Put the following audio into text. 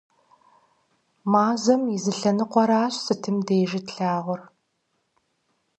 Мазэм и зы лъэныкъуэращ сытым дежи тлъагъур.